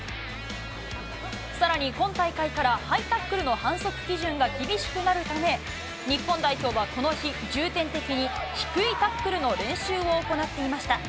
さらに今大会からハイタックルの反則基準が厳しくなるため、日本代表はこの日、重点的に低いタックルの練習を行っていました。